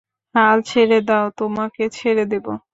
হাল ছেড়ে দাও, তোমাকে ছেড়ে দেবো।